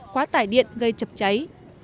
quá tải điện gây chập cháy